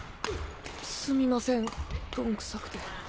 すみませんどんくさくて。